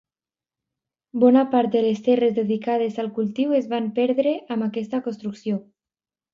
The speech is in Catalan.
Bona part de les terres dedicades al cultiu es van perdre amb aquesta construcció.